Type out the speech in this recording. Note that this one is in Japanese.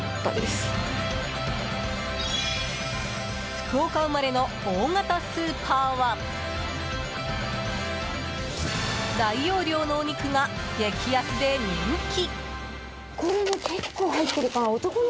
福岡生まれの大型スーパーは大容量のお肉が激安で人気。